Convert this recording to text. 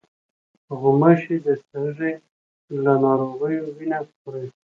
غوماشې د سږي له ناروغانو وینه خوري.